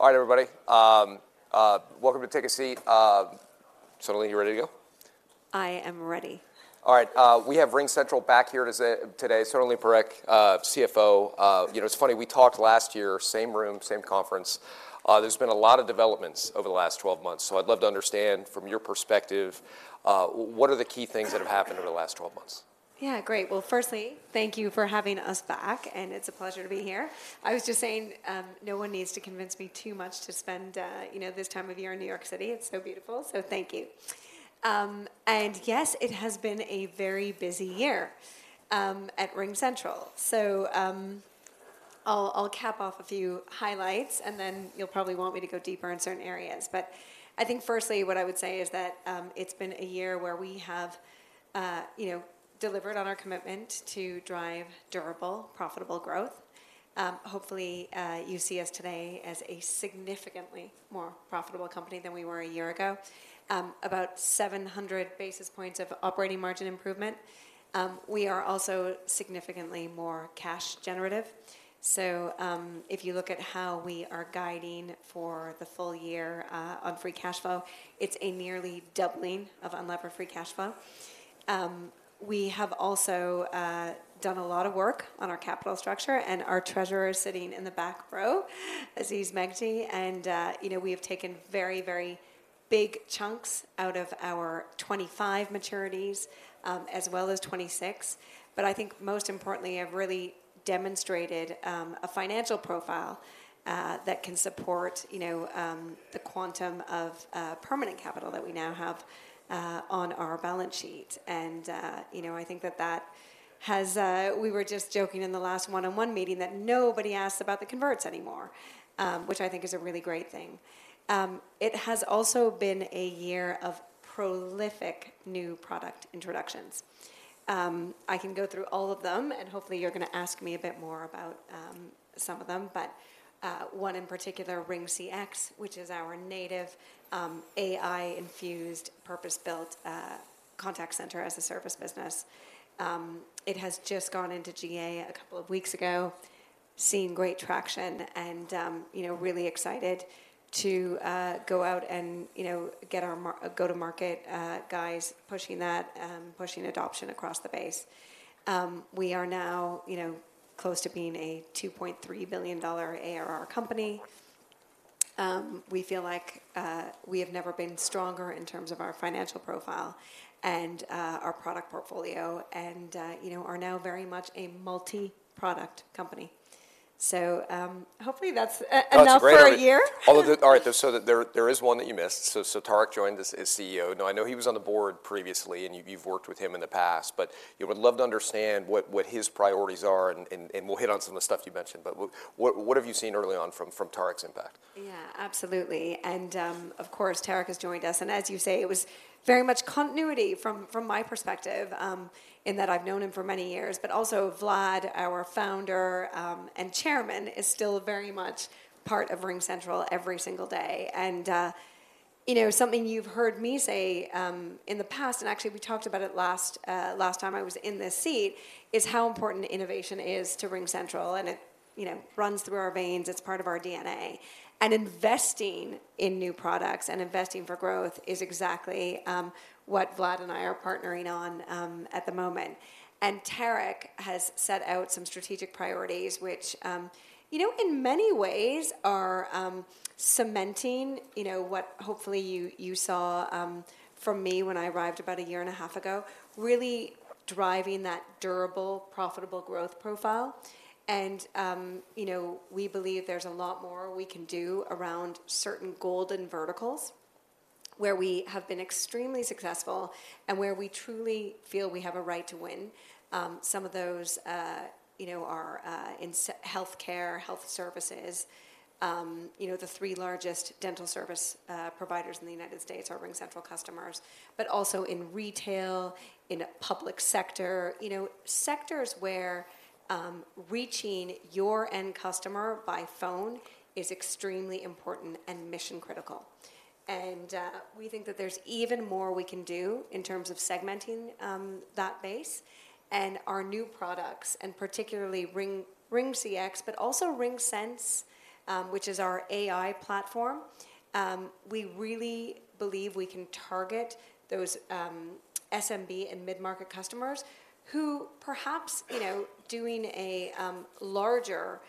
All right, everybody, welcome to Take a Seat. Sonalee, you ready to go? I am ready. All right, we have RingCentral back here today. Sonalee Parekh, CFO. You know, it's funny, we talked last year, same room, same conference. There's been a lot of developments over the last 12 months, so I'd love to understand from your perspective, what are the key things that have happened over the last 12 months? Yeah, great. Well, firstly, thank you for having us back, and it's a pleasure to be here. I was just saying, no one needs to convince me too much to spend, you know, this time of year in New York City. It's so beautiful, so thank you. And yes, it has been a very busy year at RingCentral. So, I'll, I'll cap off a few highlights, and then you'll probably want me to go deeper in certain areas. But I think firstly, what I would say is that, it's been a year where we have, you know, delivered on our commitment to drive durable, profitable growth. Hopefully, you see us today as a significantly more profitable company than we were a year ago. About 700 basis points of operating margin improvement. We are also significantly more cash generative. So, if you look at how we are guiding for the full year, on free cash flow, it's a nearly doubling of unlevered free cash flow. We have also done a lot of work on our capital structure, and our treasurer is sitting in the back row, Aziz Megji. And, you know, we have taken very, very big chunks out of our 2025 maturities, as well as 2026. But I think most importantly, have really demonstrated a financial profile that can support, you know, the quantum of permanent capital that we now have on our balance sheet. And, you know, I think that that has... We were just joking in the last one-on-one meeting that nobody asks about the converts anymore, which I think is a really great thing. It has also been a year of prolific new product introductions. I can go through all of them, and hopefully, you're going to ask me a bit more about some of them. But one in particular, RingCX, which is our native AI-infused, purpose-built contact center as a service business. It has just gone into GA a couple of weeks ago, seeing great traction and you know, really excited to go out and you know, get our go-to-market guys pushing that, pushing adoption across the base. We are now you know, close to being a $2.3 billion ARR company. We feel like we have never been stronger in terms of our financial profile and our product portfolio, and you know, are now very much a multi-product company. So, hopefully, that's enough for a year. That's great. Although, all right, so there is one that you missed. So Tarek joined us as CEO. Now, I know he was on the board previously, and you've worked with him in the past, but you would love to understand what his priorities are, and we'll hit on some of the stuff you mentioned. But what have you seen early on from Tarek's impact? Yeah, absolutely. And, of course, Tarek has joined us, and as you say, it was very much continuity from my perspective in that I've known him for many years. But also, Vlad, our founder and chairman, is still very much part of RingCentral every single day. And, you know, something you've heard me say in the past, and actually, we talked about it last time I was in this seat, is how important innovation is to RingCentral, and it, you know, runs through our veins. It's part of our DNA. And investing in new products and investing for growth is exactly what Vlad and I are partnering on at the moment. Tarek has set out some strategic priorities, which, you know, in many ways are, cementing, you know, what hopefully you, you saw, from me when I arrived about a year and a half ago, really driving that durable, profitable growth profile. You know, we believe there's a lot more we can do around certain golden verticals where we have been extremely successful and where we truly feel we have a right to win. Some of those, you know, are, in healthcare, health services. You know, the three largest dental service, providers in the United States are RingCentral customers, but also in retail, in public sector, you know, sectors where, reaching your end customer by phone is extremely important and mission-critical. We think that there's even more we can do in terms of segmenting that base and our new products, and particularly RingCX, but also RingSense, which is our AI platform. We really believe we can target those SMB and mid-market customers who perhaps, you know, doing a larger,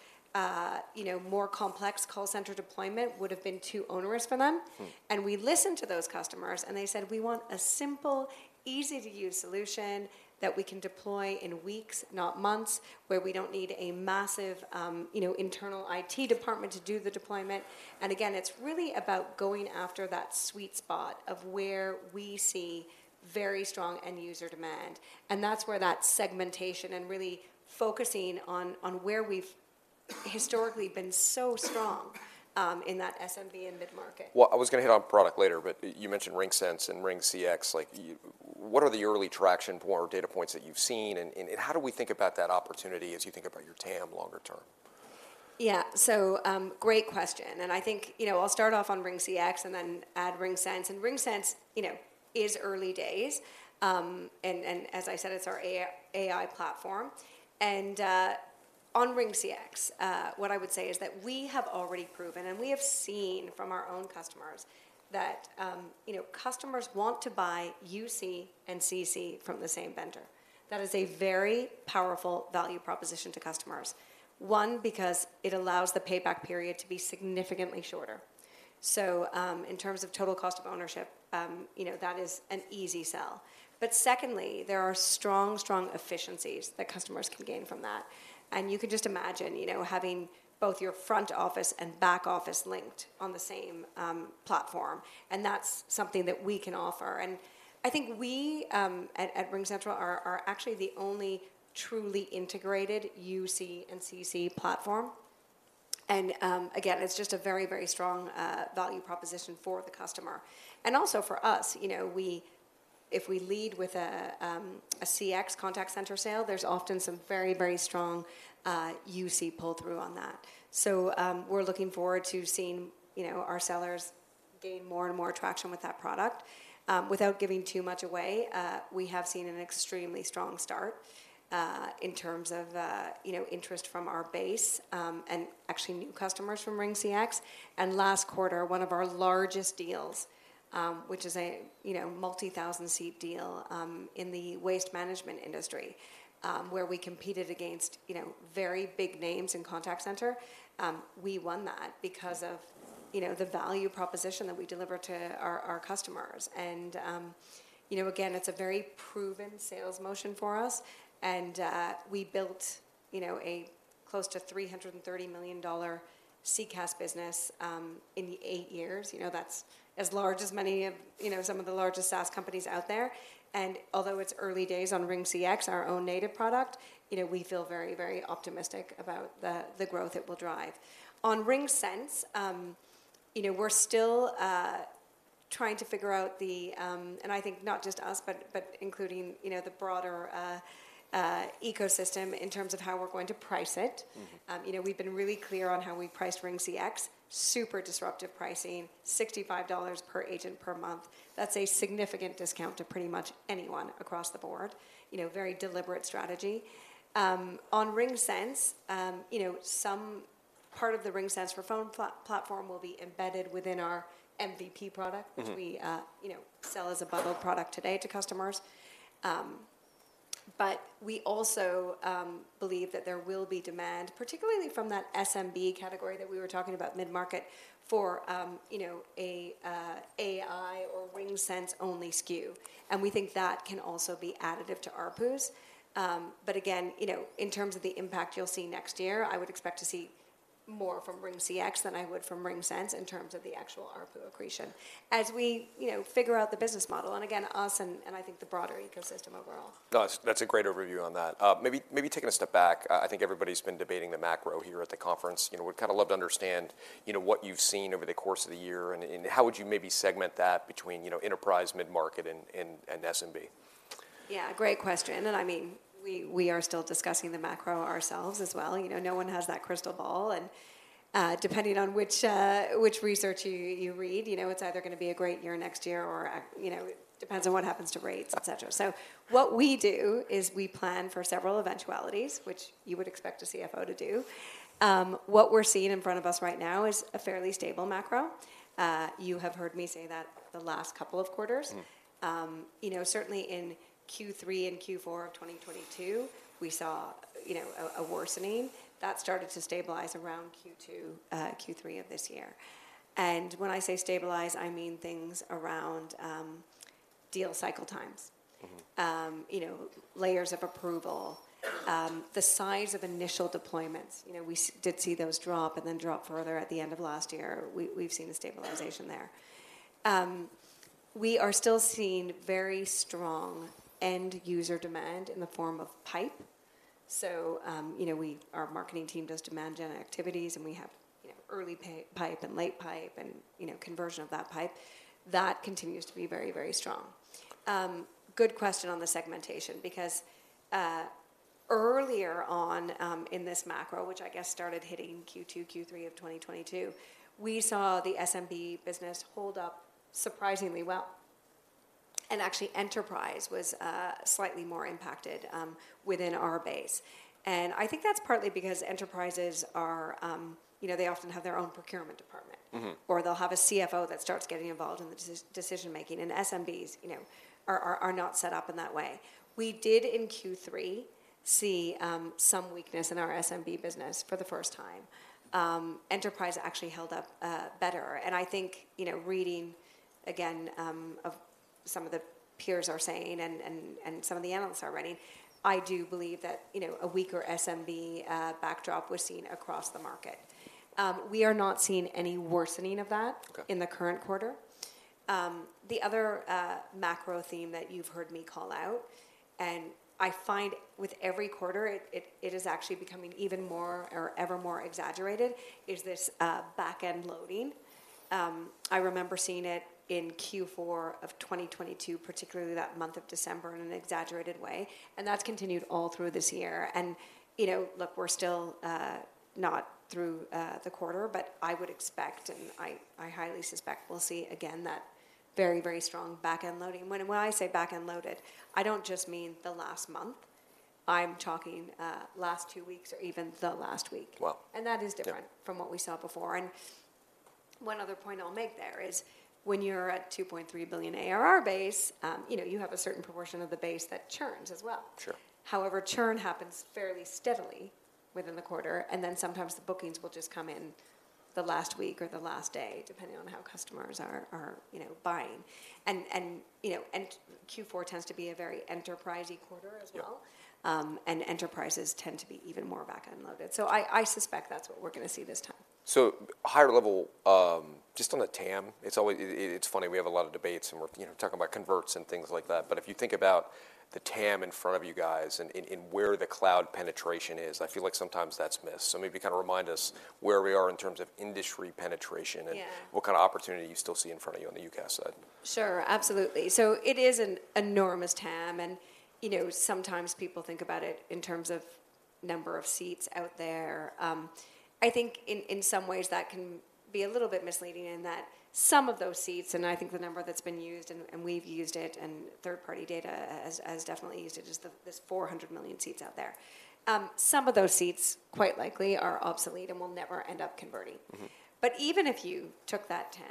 you know, more complex call center deployment would have been too onerous for them. Hmm. We listened to those customers, and they said: "We want a simple, easy-to-use solution that we can deploy in weeks, not months, where we don't need a massive, you know, internal IT department to do the deployment." And again, it's really about going after that sweet spot of where we see very strong end-user demand, and that's where that segmentation and really focusing on where we've historically been so strong, in that SMB and mid-market. Well, I was gonna hit on product later, but you mentioned RingSense and RingCX. Like, what are the early traction point or data points that you've seen, and, and how do we think about that opportunity as you think about your TAM longer term? Yeah. So, great question, and I think, you know, I'll start off on RingCX and then add RingSense. And RingSense, you know, is early days, and as I said, it's our AI, AI platform. And on RingCX, what I would say is that we have already proven, and we have seen from our own customers, that, you know, customers want to buy UC and CC from the same vendor. That is a very powerful value proposition to customers. One, because it allows the payback period to be significantly shorter. So, in terms of total cost of ownership, you know, that is an easy sell. But secondly, there are strong, strong efficiencies that customers can gain from that. You can just imagine, you know, having both your front office and back office linked on the same platform, and that's something that we can offer. I think we at RingCentral are actually the only truly integrated UC and CC platform. Again, it's just a very, very strong value proposition for the customer and also for us. You know, if we lead with a CX contact center sale, there's often some very, very strong UC pull-through on that. So, we're looking forward to seeing, you know, our sellers gain more and more traction with that product. Without giving too much away, we have seen an extremely strong start in terms of, you know, interest from our base and actually, new customers from RingCX. And last quarter, one of our largest deals, which is a, you know, multi-thousand seat deal, in the waste management industry, where we competed against, you know, very big names in contact center, we won that because of, you know, the value proposition that we deliver to our, our customers. And, you know, again, it's a very proven sales motion for us, and, we built, you know, a close to $330 million CCaaS business, in the eight years. You know, that's as large as many of, you know, some of the largest SaaS companies out there. And although it's early days on RingCX, our own native product, you know, we feel very, very optimistic about the, the growth it will drive. On RingSense, you know, we're still, trying to figure out the, I think not just us, but including, you know, the broader ecosystem in terms of how we're going to price it. Mm-hmm. You know, we've been really clear on how we priced RingCX, super disruptive pricing, $65 per agent per month. That's a significant discount to pretty much anyone across the board. You know, very deliberate strategy. On RingSense, you know, some part of the RingSense for Phone platform will be embedded within our MVP product, Mm-hmm.... which we, you know, sell as a bundled product today to customers. But we also believe that there will be demand, particularly from that SMB category that we were talking about, mid-market, for, you know, a AI or RingSense-only SKU, and we think that can also be additive to ARPUs. But again, you know, in terms of the impact you'll see next year, I would expect to see more from RingCX than I would from RingSense in terms of the actual ARPU accretion, as we, you know, figure out the business model, and again, us and I think the broader ecosystem overall. That's, that's a great overview on that. Maybe, maybe taking a step back, I think everybody's been debating the macro here at the conference. You know, we'd kinda love to understand, you know, what you've seen over the course of the year, and how would you maybe segment that between, you know, enterprise, mid-market, and SMB? Yeah, great question, and we are still discussing the macro ourselves as well. You know, no one has that crystal ball, and depending on which research you read, you know, it's either gonna be a great year next year or a- you know, it depends on what happens to rates, etcetera. So what we do is we plan for several eventualities, which you would expect a CFO to do. What we're seeing in front of us right now is a fairly stable macro. You have heard me say that the last couple of quarters. Mm. You know, certainly in Q3 and Q4 of 2022, we saw, you know, a worsening. That started to stabilize around Q2, Q3 of this year. And when I say stabilize, I mean things around deal cycle times. Mm-hmm. You know, layers of approval, the size of initial deployments. You know, we did see those drop and then drop further at the end of last year. We've seen a stabilization there. We are still seeing very strong end user demand in the form of pipe. So, you know, our marketing team does demand gen activities, and we have, you know, early pipe and late pipe and, you know, conversion of that pipe. That continues to be very, very strong. Good question on the segmentation, because earlier on, in this macro, which I guess started hitting Q2, Q3 of 2022, we saw the SMB business hold up surprisingly well, and actually, enterprise was slightly more impacted within our base. And I think that's partly because enterprises are, you know, they often have their own procurement department. Mm-hmm. Or they'll have a CFO that starts getting involved in the decision-making, and SMBs, you know, are not set up in that way. We did, in Q3, see some weakness in our SMB business for the first time. Enterprise actually held up better, and I think, you know, reading again of some of the peers are saying and some of the analysts are writing, I do believe that, you know, a weaker SMB backdrop was seen across the market. We are not seeing any worsening of that. Okay.... in the current quarter. The other macro theme that you've heard me call out, and I find with every quarter, it is actually becoming even more or ever more exaggerated, is this back-end loading. I remember seeing it in Q4 of 2022, particularly that month of December, in an exaggerated way, and that's continued all through this year. You know, look, we're still not through the quarter, but I would expect, and I highly suspect we'll see again that very, very strong back-end loading. When I say back-end loaded, I don't just mean the last month. I'm talking last two weeks or even the last week. Well. That is different, Yeah.... from what we saw before. And one other point I'll make there is, when you're at $2.3 billion ARR base, you know, you have a certain proportion of the base that churns as well. Sure. However, churn happens fairly steadily within the quarter, and then sometimes the bookings will just come in the last week or the last day, depending on how customers are, you know, buying. And, you know, Q4 tends to be a very enterprisey quarter as well. Yeah. And enterprises tend to be even more back-end loaded. So I suspect that's what we're gonna see this time. So higher level, just on the TAM, it's always—it, it's funny, we have a lot of debates, and we're, you know, talking about converts and things like that. But if you think about the TAM in front of you guys, and where the cloud penetration is, I feel like sometimes that's missed. So maybe kind of remind us where we are in terms of industry penetration. Yeah.... and what kind of opportunity you still see in front of you on the UCaaS side? Sure, absolutely. So it is an enormous TAM, and, you know, sometimes people think about it in terms of number of seats out there. I think in, in some ways, that can be a little bit misleading in that some of those seats, and I think the number that's been used, and, and we've used it, and third-party data has, has definitely used it, is the, there's 400 million seats out there. Some of those seats, quite likely, are obsolete and will never end up converting. Mm-hmm. But even if you took that TAM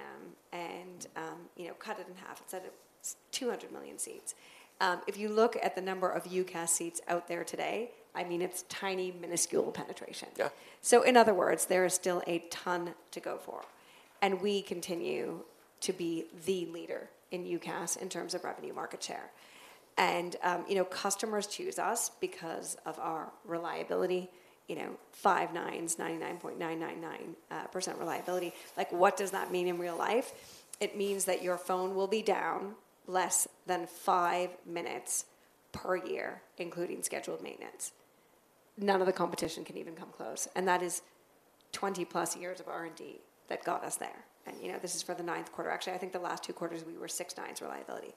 and, you know, cut it in half, and said it's 200 million seats, if you look at the number of UCaaS seats out there today, I mean, it's tiny, minuscule penetration. Yeah. So in other words, there is still a ton to go for, and we continue to be the leader in UCaaS in terms of revenue market share. And, you know, customers choose us because of our reliability, you know, five nines, 99.999% reliability. Like, what does that mean in real life? It means that your phone will be down less than five minutes per year, including scheduled maintenance. None of the competition can even come close, and that is 20+ years of R&D that got us there. And, you know, this is for the ninth quarter. Actually, I think the last two quarters, we were six nines reliability.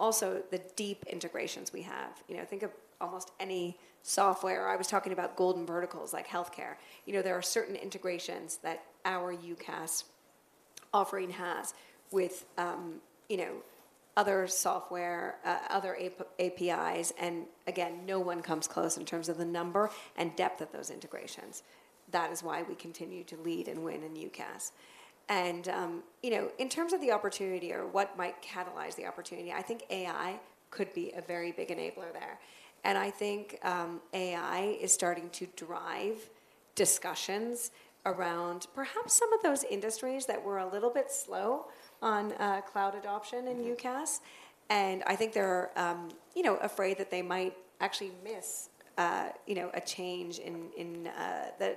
Also, the deep integrations we have. You know, think of almost any software. I was talking about golden verticals, like healthcare. You know, there are certain integrations that our UCaaS offering has with, you know, other software, other APIs, and again, no one comes close in terms of the number and depth of those integrations. That is why we continue to lead and win in UCaaS. You know, in terms of the opportunity or what might catalyze the opportunity, I think AI could be a very big enabler there. I think, AI is starting to drive discussions around perhaps some of those industries that were a little bit slow on, cloud adoption in UCaaS. Mm-hmm. I think they're, you know, afraid that they might actually miss, you know, a change in the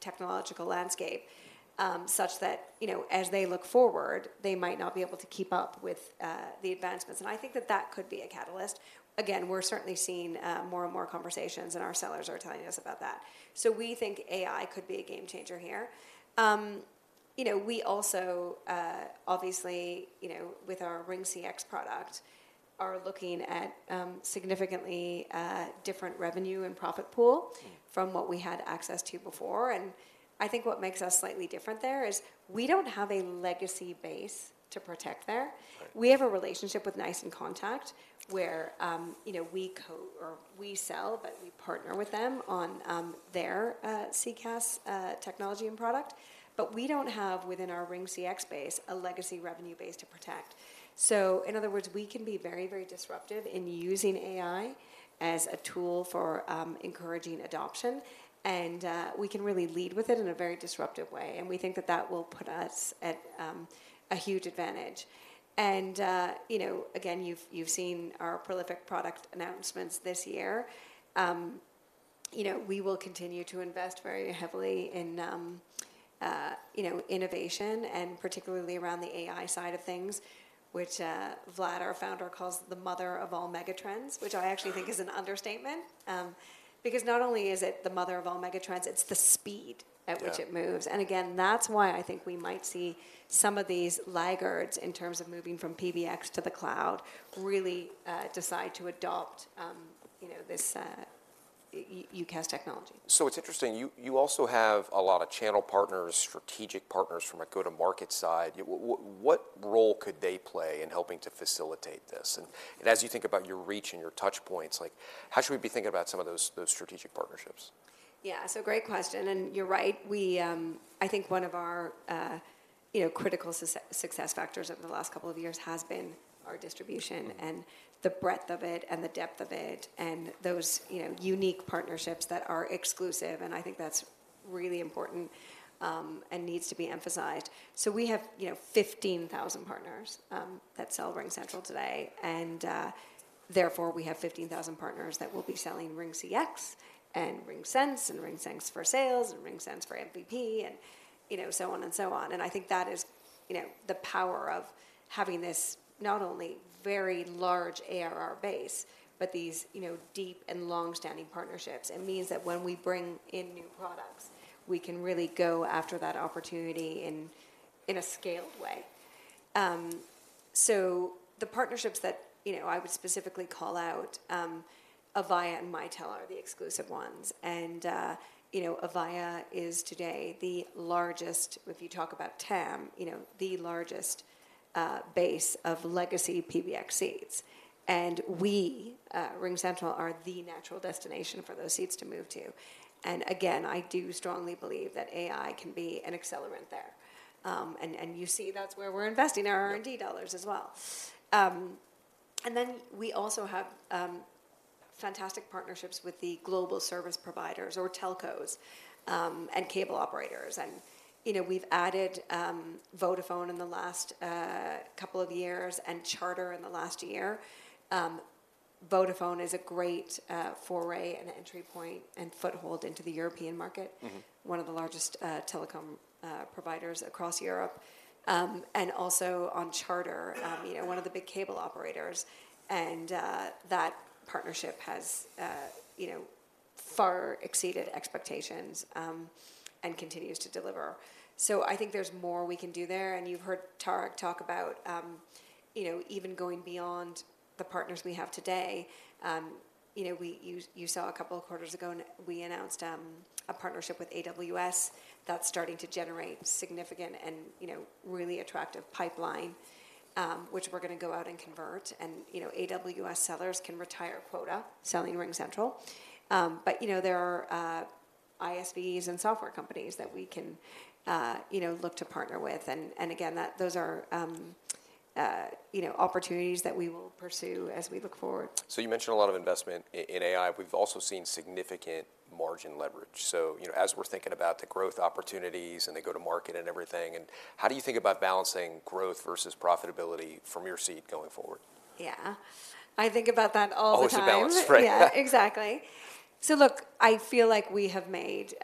technological landscape, such that, you know, as they look forward, they might not be able to keep up with the advancements. I think that that could be a catalyst. Again, we're certainly seeing more and more conversations, and our sellers are telling us about that. So we think AI could be a game changer here. You know, we also, obviously, you know, with our RingCX product, are looking at significantly different revenue and profit pool- Mm.... from what we had access to before. I think what makes us slightly different there is, we don't have a legacy base to protect there. Right. We have a relationship with NICE inContact, where, you know, we sell, but we partner with them on, their, CCaaS, technology and product. But we don't have, within our RingCX base, a legacy revenue base to protect. So in other words, we can be very, very disruptive in using AI as a tool for, encouraging adoption, and, we can really lead with it in a very disruptive way, and we think that that will put us at, a huge advantage. And, you know, again, you've, you've seen our prolific product announcements this year. You know, we will continue to invest very heavily in, you know, innovation, and particularly around the AI side of things, which, Vlad, our founder, calls the mother of all megatrends, which I actually think is an understatement. Because not only is it the mother of all megatrends, it's the speed, Yeah.... at which it moves. And again, that's why I think we might see some of these laggards, in terms of moving from PBX to the cloud, really decide to adopt, you know, this UCaaS technology. So it's interesting, you also have a lot of channel partners, strategic partners from a go-to-market side. What role could they play in helping to facilitate this? And as you think about your reach and your touch points, like, how should we be thinking about some of those strategic partnerships? Yeah, so great question, and you're right. We, I think one of our, you know, critical success factors over the last couple of years has been our distribution, Mm-hmm.... and the breadth of it and the depth of it, and those, you know, unique partnerships that are exclusive, and I think that's really important, and needs to be emphasized. So we have, you know, 15,000 partners that sell RingCentral today, and therefore, we have 15,000 partners that will be selling RingCX and RingSense and RingSense for Sales and RingSense for MVP, and, you know, so on and so on. And I think that is, you know, the power of having this not only very large ARR base, but these, you know, deep and long-standing partnerships. It means that when we bring in new products, we can really go after that opportunity in a scaled way.... So the partnerships that, you know, I would specifically call out, Avaya and Mitel are the exclusive ones. And, you know, Avaya is today the largest, if you talk about TAM, you know, the largest base of legacy PBX seats. And we, RingCentral, are the natural destination for those seats to move to. And again, I do strongly believe that AI can be an accelerant there. And you see that's where we're investing our R&D dollars as well. And then we also have fantastic partnerships with the global service providers or Telcos, and cable operators. And, you know, we've added Vodafone in the last couple of years and Charter in the last year. Vodafone is a great foray and entry point and foothold into the European market, Mm-hmm. One of the largest telecom providers across Europe. And also on Charter, you know, one of the big cable operators, and that partnership has, you know, far exceeded expectations, and continues to deliver. So I think there's more we can do there, and you've heard Tarek talk about, you know, even going beyond the partners we have today. You know, you saw a couple of quarters ago, we announced a partnership with AWS that's starting to generate significant and, you know, really attractive pipeline, which we're gonna go out and convert. And, you know, AWS sellers can retire quota selling RingCentral. But, you know, there are ISVs and software companies that we can, you know, look to partner with. And again, those are, you know, opportunities that we will pursue as we look forward. You mentioned a lot of investment in AI. We've also seen significant margin leverage. You know, as we're thinking about the growth opportunities and the go-to-market and everything, how do you think about balancing growth versus profitability from your seat going forward? Yeah. I think about that all the time. Always a balance, right? Yeah, exactly. So look, I feel like we have made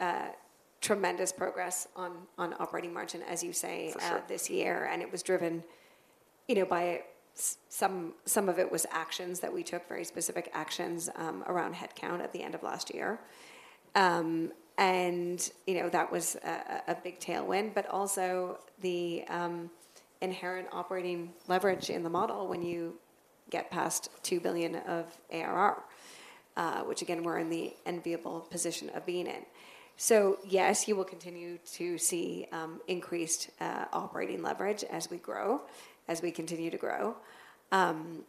tremendous progress on operating margin, as you say, For sure.... this year, and it was driven, you know, by some of it was actions that we took, very specific actions around headcount at the end of last year. And you know, that was a big tailwind, but also the inherent operating leverage in the model when you get past $2 billion of ARR, which again, we're in the enviable position of being in. So yes, you will continue to see increased operating leverage as we grow, as we continue to grow. And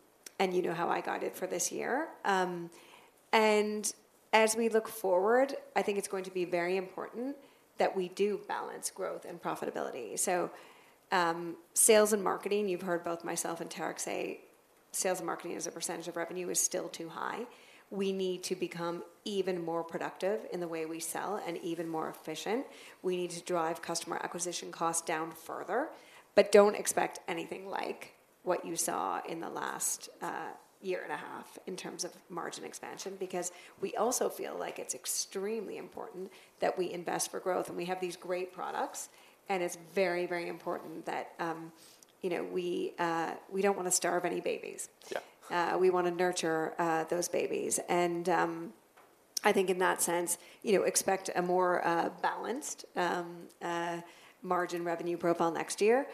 you know how I guided for this year. And as we look forward, I think it's going to be very important that we do balance growth and profitability. So sales and marketing, you've heard both myself and Tarek say, sales and marketing as a percentage of revenue is still too high. We need to become even more productive in the way we sell and even more efficient. We need to drive customer acquisition costs down further, but don't expect anything like what you saw in the last year and a half in terms of margin expansion, because we also feel like it's extremely important that we invest for growth. And we have these great products, and it's very, very important that, you know, we don't want to starve any babies. Yeah. We want to nurture those babies. I think in that sense, you know, expect a more balanced margin revenue profile next year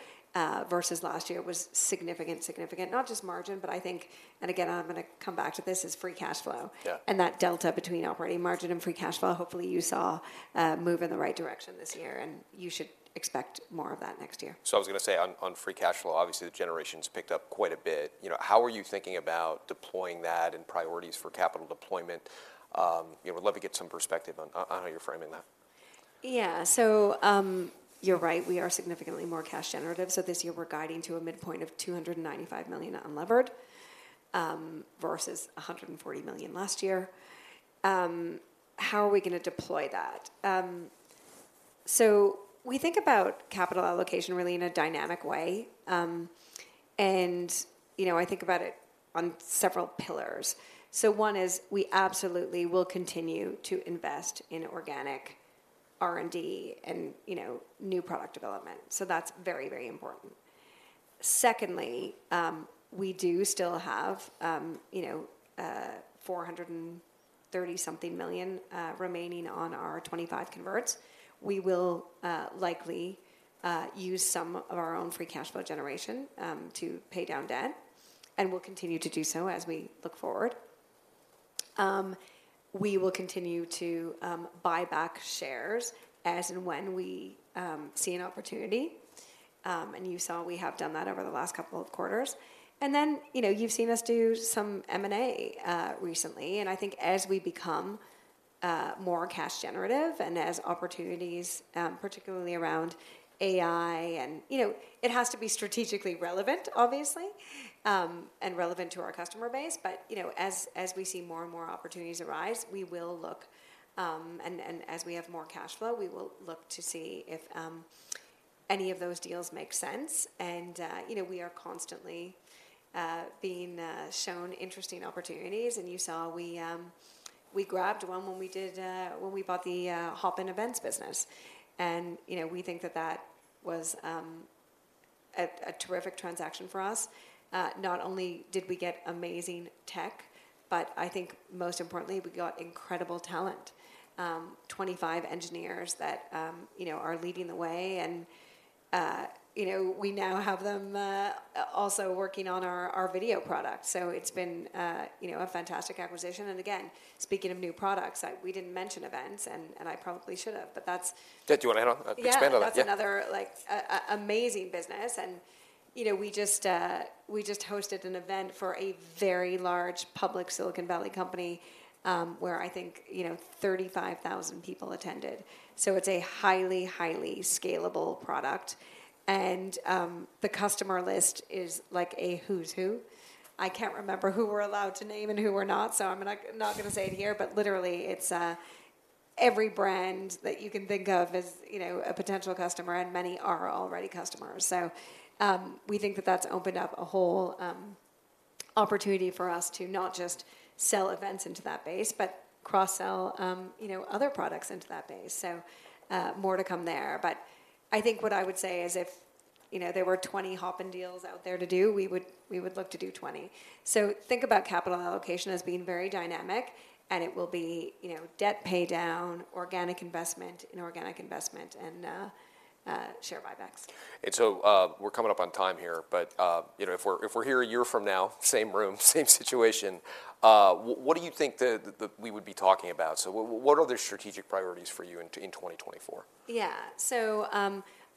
versus last year was significant, significant. Not just margin, but I think, and again, I'm gonna come back to this, is free cash flow. Yeah. That delta between operating margin and free cash flow, hopefully you saw, move in the right direction this year, and you should expect more of that next year. So I was gonna say on free cash flow, obviously, the generation's picked up quite a bit. You know, how are you thinking about deploying that and priorities for capital deployment? You know, would love to get some perspective on how you're framing that. Yeah. So, you're right, we are significantly more cash generative. So this year, we're guiding to a midpoint of $295 million unlevered, versus $140 million last year. How are we gonna deploy that? So we think about capital allocation really in a dynamic way. And, you know, I think about it on several pillars. So one is, we absolutely will continue to invest in organic R&D and, you know, new product development. So that's very, very important. Secondly, we do still have, you know, $430-something million remaining on our 25 converts. We will likely use some of our own free cash flow generation to pay down debt, and we'll continue to do so as we look forward. We will continue to buy back shares as and when we see an opportunity, and you saw we have done that over the last couple of quarters. And then, you know, you've seen us do some M&A recently, and I think as we become more cash generative and as opportunities particularly around AI and... You know, it has to be strategically relevant, obviously, and relevant to our customer base. But, you know, as we see more and more opportunities arise, we will look, and as we have more cash flow, we will look to see if any of those deals make sense. And, you know, we are constantly being shown interesting opportunities, and you saw we grabbed one when we bought the Hopin Events business. You know, we think that that was a terrific transaction for us. Not only did we get amazing tech but I think most importantly, we got incredible talent, 25 engineers that, you know, are leading the way, and, you know, we now have them also working on our video product. So it's been, you know, a fantastic acquisition. And again, speaking of new products, we didn't mention events, and I probably should have, but that's, Did you wanna add on, expand on it? Yeah. Yeah, that's another, like, a amazing business. And, you know, we just hosted an event for a very large public Silicon Valley company, where I think, you know, 35,000 people attended. So it's a highly, highly scalable product, and the customer list is like a who's who. I can't remember who we're allowed to name and who we're not, so I'm not gonna say it here, but literally, it's every brand that you can think of as, you know, a potential customer, and many are already customers. So we think that that's opened up a whole opportunity for us to not just sell events into that base, but cross-sell, you know, other products into that base. So more to come there. I think what I would say is, if, you know, there were 20 Hopin deals out there to do, we would, we would look to do 20. So think about capital allocation as being very dynamic, and it will be, you know, debt paydown, organic investment, inorganic investment, and share buybacks. And so, we're coming up on time here, but, you know, if we're, if we're here a year from now, same room, same situation, what do you think that, that we would be talking about? So what, what are the strategic priorities for you in, in 2024? Yeah. So,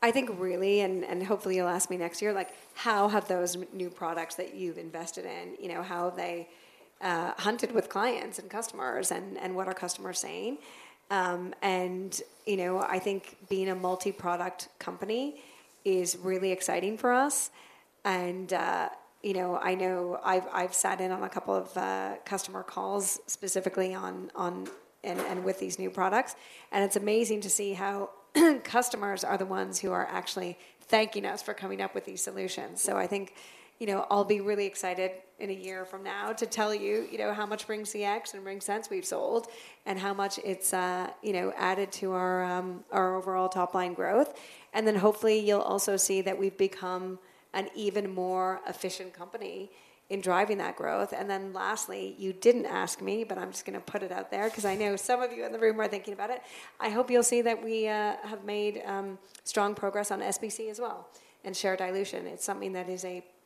I think really, and hopefully you'll ask me next year, like, how have those new products that you've invested in, you know, how have they hunted with clients and customers and what are customers saying? And, you know, I think being a multi-product company is really exciting for us, and, you know, I know I've sat in on a couple of customer calls, specifically on and with these new products, and it's amazing to see how customers are the ones who are actually thanking us for coming up with these solutions. So I think, you know, I'll be really excited in a year from now to tell you, you know, how much RingCX and RingSense we've sold, and how much it's, you know, added to our our overall top-line growth. And then hopefully, you'll also see that we've become an even more efficient company in driving that growth. And then lastly, you didn't ask me, but I'm just gonna put it out there 'cause I know some of you in the room are thinking about it. I hope you'll see that we have made strong progress on SBC as well and share dilution. It's something that,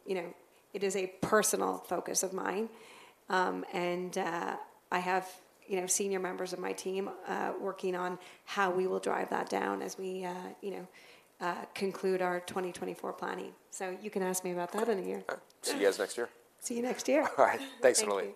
you know, it is a personal focus of mine, and I have, you know, senior members of my team working on how we will drive that down as we, you know, conclude our 2024 planning. So you can ask me about that in a year. See you guys next year. See you next year. All right. Thanks, Sonalee.